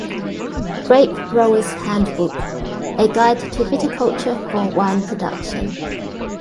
"Grape Growers Handbook: A Guide To Viticulture for Wine Production".